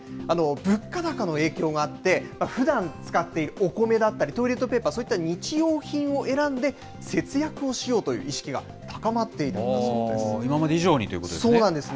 物価高の影響があって、ふだん使っているお米だったりトイレットペーパー、そういった日用品を選んで、節約をしようという意識が今まで以上にということですそうなんですね。